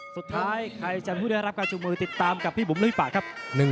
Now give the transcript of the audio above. สุดท้ายใครจะผู้ได้รับการชูมือติดตามกับพี่บุ๋มลุยปากครับ